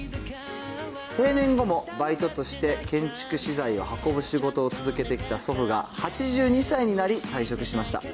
定年後もバイトとして建築資材を運ぶ仕事を続けてきた祖父が８２歳になり退職しました。